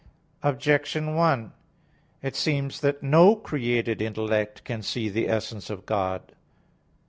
Objection 1: It seems that no created intellect can see the essence of God.